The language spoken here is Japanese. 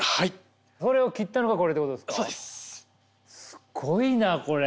すごいなこれ。